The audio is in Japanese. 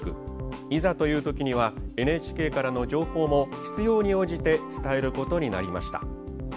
いざという時にはＮＨＫからの情報も必要に応じて伝えることになりました。